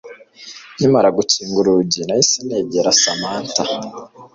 Nkimara gukinga urugi nahise negera Samantha